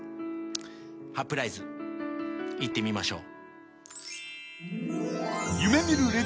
歯プライズ行ってみましょう。